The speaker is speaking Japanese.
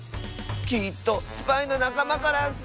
きっとスパイのなかまからッス！